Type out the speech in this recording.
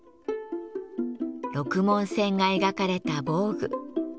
六文銭が描かれた防具。